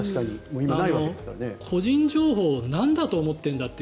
個人情報をなんだと思ってるんだって